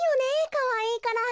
かわいいから。